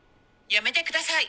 やめてください。